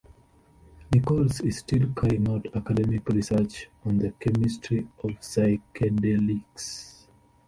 Nichols is still carrying out academic research on the chemistry of psychedelics.